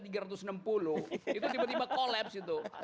itu tiba tiba kolaps itu